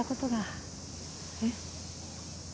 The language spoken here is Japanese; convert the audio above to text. えっ？